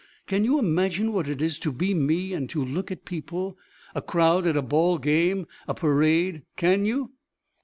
Can you imagine what it is to be me and to look at people? A crowd at a ball game? A parade? Can you?"